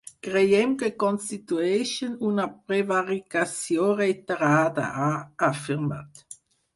Creiem que constitueixen una prevaricació reiterada, ha afirmat.